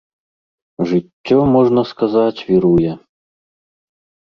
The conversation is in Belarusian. Жыццё, можна сказаць, віруе.